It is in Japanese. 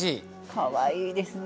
かわいいですね。